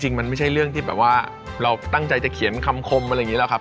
มันไม่ใช่เรื่องที่แบบว่าเราตั้งใจจะเขียนคำคมอะไรอย่างนี้แล้วครับ